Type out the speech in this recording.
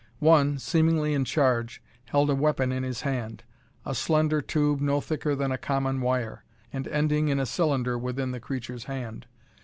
One, seemingly in charge, held a weapon in his hand, a slender tube no thicker than a common wire; and ending in a cylinder within the creature's hand.